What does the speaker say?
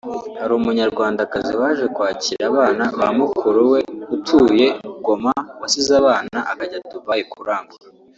Hari Umunyarwandakazi waje kwakira abana ba mukuru we utuye Goma wasize abana akajya Dubai kurangura